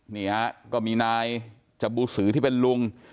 นี่ฮะก็มีนายจบูสือที่เป็นลุง